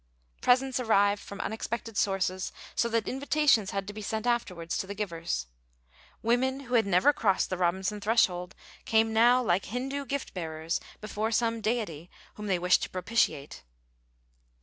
Presents arrived from unexpected sources, so that invitations had to be sent afterwards to the givers. Women who had never crossed the Robinson threshold came now like Hindoo gift bearers before some deity whom they wished to propitiate.